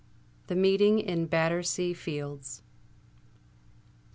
THE MEETING IN BATTERSEA FIELDS.